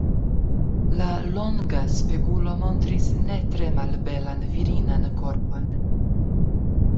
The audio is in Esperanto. La longa spegulo montris ne tre malbelan virinan korpon.